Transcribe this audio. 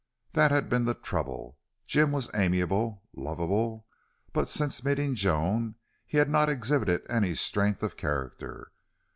That had been the trouble Jim was amiable, lovable, but since meeting Joan he had not exhibited any strength of character.